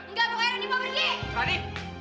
enggak enggak mau ayo ini pa pergi